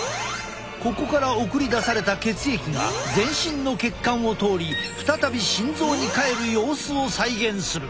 ここから送り出された血液が全身の血管を通り再び心臓に帰る様子を再現する。